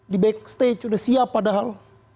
di backstage sudah siap padahal